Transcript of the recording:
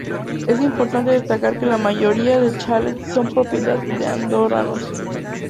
Es importante destacar que la mayoría de chalets son propiedad de andorranos.